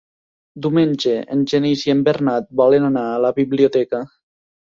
Diumenge en Genís i en Bernat volen anar a la biblioteca.